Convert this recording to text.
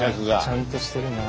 ちゃんとしてるな。